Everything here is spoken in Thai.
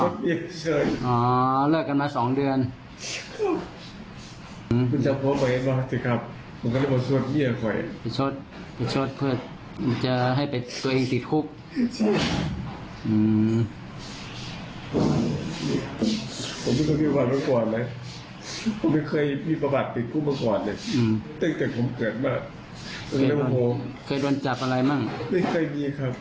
ตั้งแต่ผมเกิดมาเคยโดนจับอะไรมั่งไม่เคยมีครับ